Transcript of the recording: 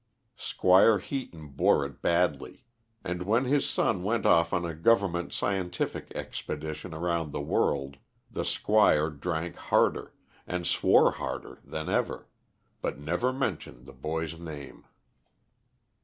Squire Heaton bore it badly, and when his son went off on a government scientific expedition around the world the Squire drank harder, and swore harder than ever, but never mentioned the boy's name.